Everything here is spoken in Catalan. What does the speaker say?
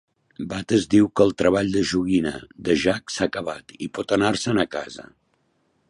Bates diu que el treball "de joguina" de Jack s'ha acabat i pot anar-se'n a casa.